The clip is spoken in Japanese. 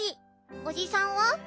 おじさんは？